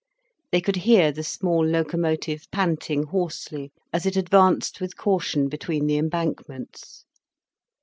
They could hear the small locomotive panting hoarsely as it advanced with caution between the embankments.